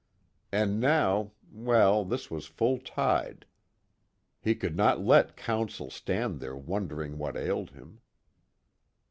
And now well, this was full tide; he could not let counsel stand there wondering what ailed him.